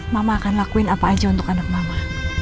mama akan lakuin apa aja untuk anak mama